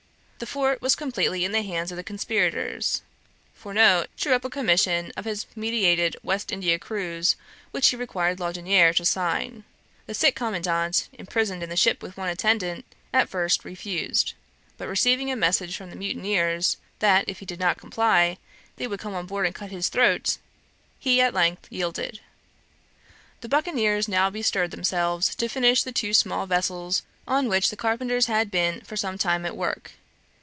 The fort was completely in the hands of the conspirators. Fourneaux drew up a commission for his meditated West India cruise, which he required Laudonniere to sign. The sick commandant, imprisoned in the ship with one attendant, at first refused; but receiving a message from the mutineers, that, if he did not comply, they would come on board and cut his throat, he at length yielded. The buccaneers now bestirred themselves to finish the two small vessels on which the carpenters had been for some time at work.